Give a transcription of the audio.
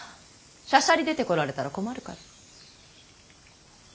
しゃしゃり出てこられたら困るから。